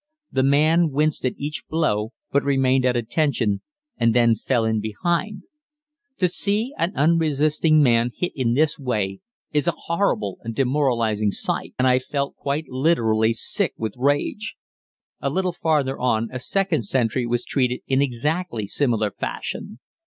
The man winced at each blow but remained at attention, and then fell in behind. To see an unresisting man hit in this way is a horrible and demoralizing sight, and I felt quite literally sick with rage. A little farther on a second sentry was treated in exactly similar fashion.